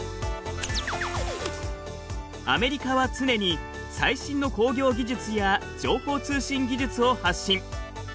アメリカは常に最新の工業技術や情報通信技術を発信。